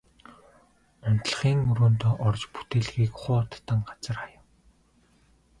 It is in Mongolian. Унтлагын өрөөндөө орж бүтээлгийг хуу татан газар хаяв.